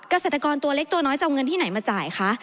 เกษตรกรตัวเล็กตัวน้อยจะเอาเงินที่ไหนมาจ่ายคะ